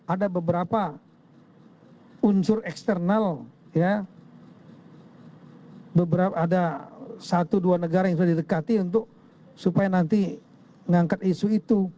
ada beberapa unsur eksternal ada satu dua negara yang sudah didekati untuk supaya nanti mengangkat isu itu